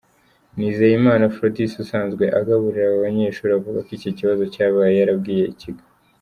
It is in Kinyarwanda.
Nizeyimana Aphrodis usanzwe agaburira aba banyeshuri avuga ko iki kibazo cyabaye yarabwiye ikigo.